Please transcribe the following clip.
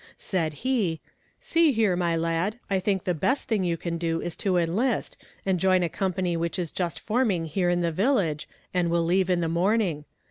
Said he: "See here, my lad; I think the best thing you can do is to enlist, and join a company which is just forming here in the village, and will leave in the morning.